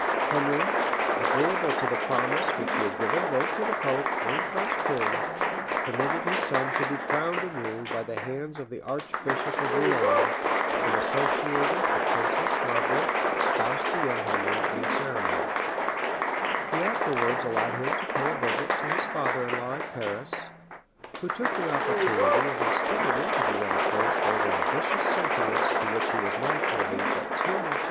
} Henry, agreeable to the promise which he had given both to the pope and French king, permitted his son to be crowned anew by the hands of the archbishop of Rouen, and associated the Princess Margaret, spouse to young Henry, in the ceremony.[*] He afterwards allowed him to pay a visit to his father in law at Paris, who took the opportunity of instilling into the young prince those ambitious sentiments to which he was naturally but too much inclined. [* Hoveden, p. 529. Diceto, p.